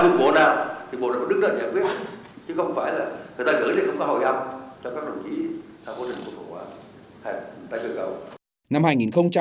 chứ không phải là người ta gửi thì không có hội hợp cho các đồng chí trong quy trình cổ phân hóa hay người ta cơ cầu